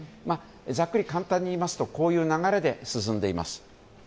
ざっくり簡単に言いますとこういう流れで進んでいます。